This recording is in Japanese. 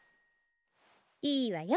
いいわよ。